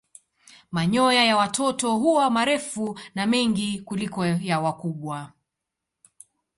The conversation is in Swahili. Manyoya ya watoto huwa marefu na mengi kuliko ya wakubwa.